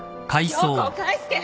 涼子を返して！